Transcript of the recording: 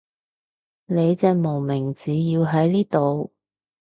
你隻無名指要喺呢度